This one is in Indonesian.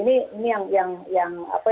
di bawah naungan apindo